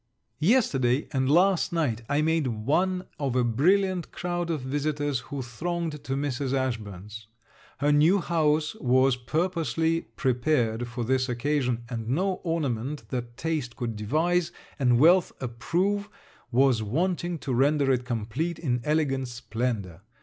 Yesterday and last night, I made one of a brilliant crowd of visitors who thronged to Mrs. Ashburn's. Her new house was purposely prepared for this occasion; and no ornament that taste could devise and wealth approve was wanting to render it complete in elegant splendour.